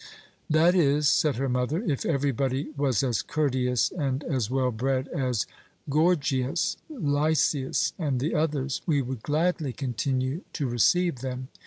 "That is," said her mother, "if everybody was as courteous and as well bred as Gorgias, Lysias, and the others, we would gladly continue to receive them.